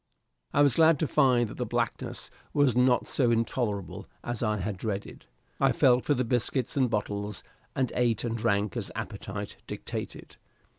I was glad to find that the blackness was not so intolerable as I had dreaded. I felt for the biscuits and bottles, and ate and drank as appetite dictated.